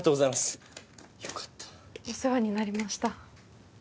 お世話になりました。